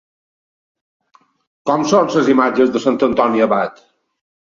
Com són les imatges de Sant Antoni Abat?